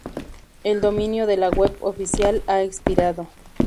El dominio de la web oficial ha expirado.